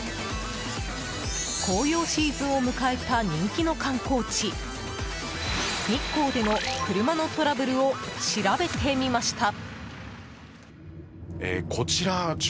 紅葉シーズンを迎えた人気の観光地・日光での車のトラブルを調べてみました。